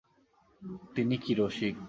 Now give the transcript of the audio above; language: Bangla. তিনি কি– রসিক।